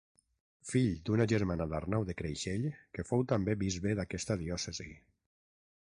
Fill d'una germana d'Arnau de Creixell que fou també bisbe d'aquesta diòcesi.